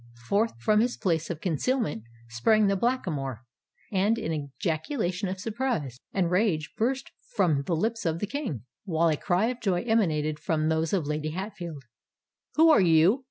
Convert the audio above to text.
Forth from his place of concealment sprang the Blackamoor; and an ejaculation of surprise and rage burst from the lips of the King, while a cry of joy emanated from those of Lady Hatfield. "Who are you?